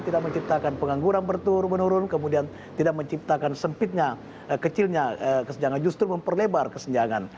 tidak menciptakan pengangguran berturun menurun kemudian tidak menciptakan sempitnya kecilnya kesenjangan justru memperlebar kesenjangan